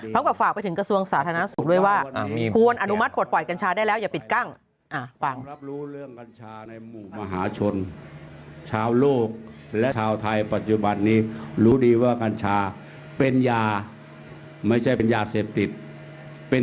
แล้วก็ฝากไปถึงกระทรวงสาธารณสุขด้วยว่าควรอนุมัติปลอดปล่อยกัญชาได้แล้ว